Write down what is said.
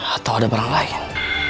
atau ada barang lain